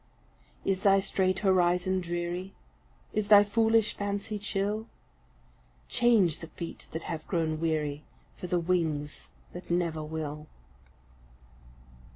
"Is thy strait horizon dreary? Is thy foolish fancy chill? Change the feet that have grown weary For the wings that never will."